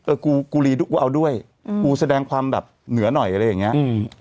กูกูลีกูเอาด้วยอืมกูแสดงความแบบเหนือหน่อยอะไรอย่างเงี้อืม